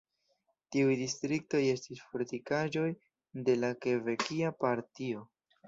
Tiuj distriktoj estis fortikaĵoj de la Kebekia Partio.